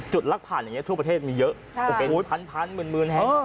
จุดลักผ่านอย่างนี้ทั่วประเทศมีเยอะพันมืนแห่ง